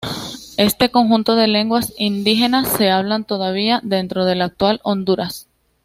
Este conjunto de lenguas indígenas se hablan todavía dentro de la actual Honduras.